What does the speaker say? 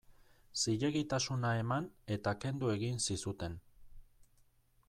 Zilegitasuna eman eta kendu egin zizuten.